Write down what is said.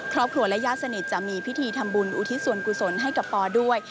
ครอบครัวและญาติสนิทจะมีพิธีทำบุญอุทิศส่วนกุศลให้กับปอด้วย